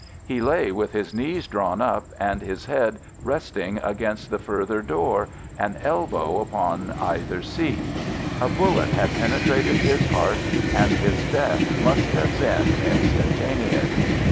He lay with his knees drawn up, and his head resting against the further door, an elbow upon either seat. A bullet had penetrated his heart and his death must have been instantaneous.